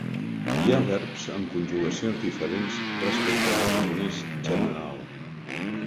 Hi ha verbs en conjugacions diferents respecte a l'aragonès general.